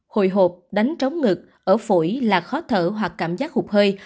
hồi hộp đánh trống ngực ở phổi là khó thở hoặc cảm giác hụt hơi